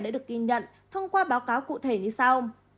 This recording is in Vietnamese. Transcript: đã được ghi nhận thông qua báo cáo cụ thể như sau